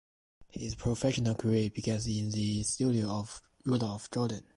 His professional career began in the studios of Rudolf Jordan.